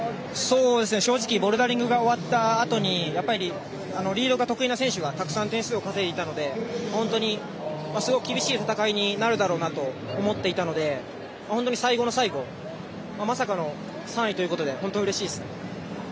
正直ボルダリングが終わったあとにリードが得意な選手がたくさん点数を稼いでいたので本当に、すごく厳しい戦いになるだろうなと思っていたので本当に最後の最後まさかの３位ということで本当にうれしいです。